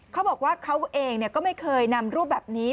เขาบอกว่าเขาเองก็ไม่เคยนำรูปแบบนี้